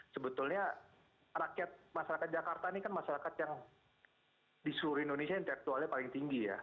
sebetulnya rakyat masyarakat jakarta ini kan masyarakat yang di seluruh indonesia intelektualnya paling tinggi ya